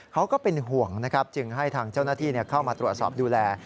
ก็เป็นห่วงนะครับจึงให้ทางเจ้าหน้าที่เข้ามาตรวจสอบดูแล